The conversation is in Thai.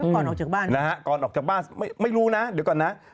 ก่อนออกจากบ้านนะฮะก่อนออกจากบ้านไม่รู้นะเดี๋ยวก่อนนะ